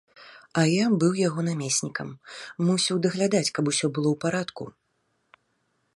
А я быў яго намеснікам, мусіў даглядаць, каб усё было ў парадку.